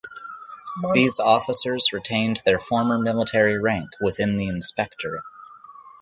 These officers retained their former military rank within the Inspectorate.